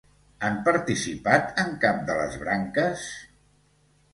Han participat en cap de les branques?